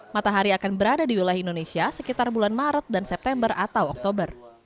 matahari akan berada di wilayah indonesia sekitar bulan maret dan september atau oktober